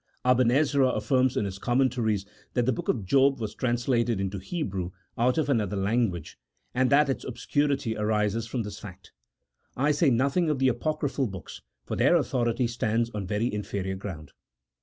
Aben Ezra affirms in his commentaries that the book of Job was translated into Hebrew out of another language, and that its obscurity arises from this fact. I say nothing of the apocryphal books, for their authority stands on very inferior ground.